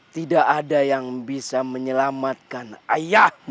tidak ada yang bisa menyelamatkan ayahmu